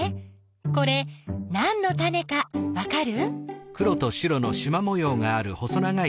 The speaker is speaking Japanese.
これなんのタネかわかる？